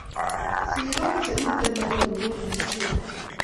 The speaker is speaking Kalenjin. Sikirok che miten baringo kokikichore